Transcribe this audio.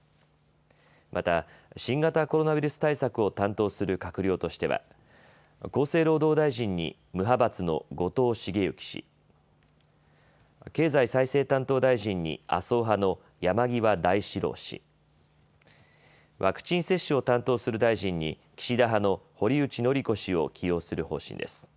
また、新型コロナウイルス対策を担当する閣僚としては厚生労働大臣に無派閥の後藤茂之氏、経済再生担当大臣に麻生派の山際大志郎氏、ワクチン接種を担当する大臣に岸田派の堀内詔子氏を起用する方針です。